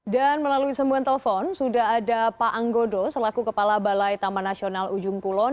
melalui semuanya telepon sudah ada pak anggodo selaku kepala balai taman nasional ujung kulon